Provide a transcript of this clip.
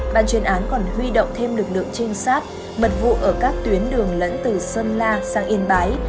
bàn chuyên án còn huy động thêm lực lượng trinh sát mật vụ ở các tuyến đường lẫn từ sơn la sang yên bái